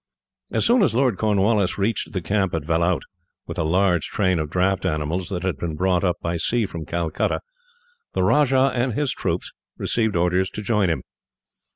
As soon as Lord Cornwallis reached the camp at Vellout, with a large train of draught animals that had been brought by sea from Calcutta, the Rajah and his troops received orders to join him.